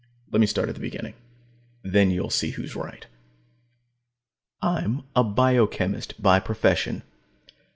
Let me start at the beginning; then you'll see who's right. I'm a biochemist by profession.